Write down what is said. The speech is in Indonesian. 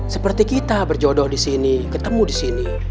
seperti kita berjodoh di sini ketemu di sini